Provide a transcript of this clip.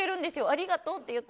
ありがとうって。